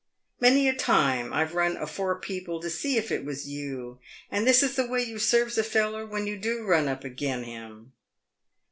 Many a time I've run afore people to see if it was you, and this is the way you serves a feller when you do run up agin him."